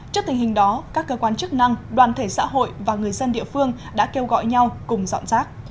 trước tình hình đó các cơ quan chức năng đoàn thể xã hội và người dân địa phương đã kêu gọi nhau cùng dọn rác